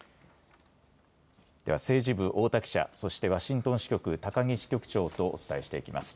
では政治部太田記者そしてワシントン支局高木支局長とお伝えしていきます。